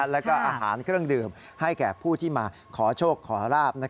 แล้วก็อาหารเครื่องดื่มให้แก่ผู้ที่มาขอโชคขอราบ